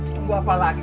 tunggu apa lagi